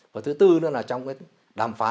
và thứ tư nữa là trong cái đàm phán